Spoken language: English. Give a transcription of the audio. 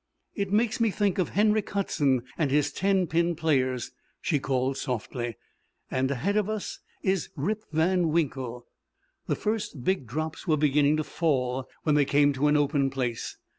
"It makes me think of Henrik Hudson and his ten pin players," she called softly. "And ahead of us is Rip Van Winkle!" The first big drops were beginning to fall when they came to an open place.